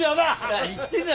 何言ってんだ！